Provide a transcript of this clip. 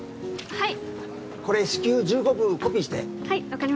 はい。